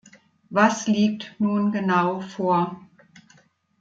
Was liegt nun genau vor?